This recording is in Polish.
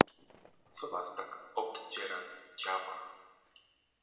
"co was tak obdziera z ciała?"